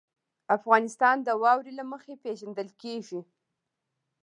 افغانستان د واوره له مخې پېژندل کېږي.